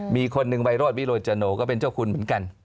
มีคนหนึ่งไวโรธวิโรจโนก็เป็นเจ้าคุณเหมือนกัน